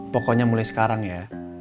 pokoknya mulai sekarang ya